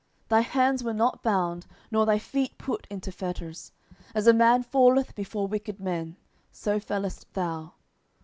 10:003:034 Thy hands were not bound, nor thy feet put into fetters: as a man falleth before wicked men, so fellest thou.